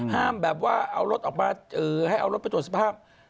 ห้ามแบบว่าเอารถมาให้เอารถไปโจรสภาพ